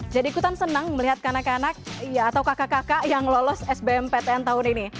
jadi ikutan senang melihat kanak kanak atau kakak kakak yang lolos sbm ptn tahun ini